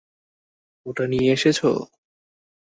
ওটা নিয়ে এসেছ?